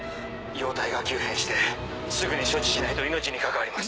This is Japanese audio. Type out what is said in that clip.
容体が急変してすぐに処置しないと命に関わります。